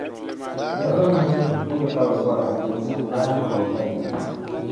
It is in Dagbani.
Liɣiri mini guli ka bɛ bɔra n-tim sandaani o ba yili.